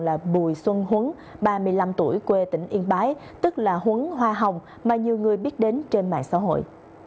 là bùi xuân huấn ba mươi năm tuổi quê tỉnh yên bái tức là huấn hoa hồng mà nhiều người biết đến trên mạng xã hội